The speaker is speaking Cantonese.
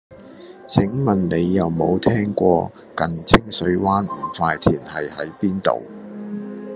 請問你有無聽過近清水灣五塊田喺邊度